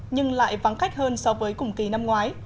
nhưng lại vắng khách hơn so với cùng kỳ năm ngoái